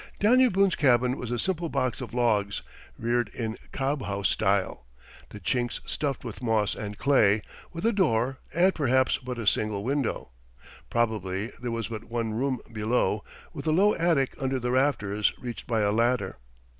Daniel Boone's cabin was a simple box of logs, reared in "cob house" style, the chinks stuffed with moss and clay, with a door and perhaps but a single window. Probably there was but one room below, with a low attic under the rafters, reached by a ladder.